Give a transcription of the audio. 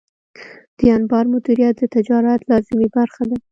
د انبار مدیریت د تجارت لازمي برخه ده.